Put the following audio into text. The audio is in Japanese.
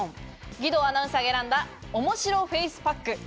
義堂アナウンサーが選んだ、おもしろフェイスパック。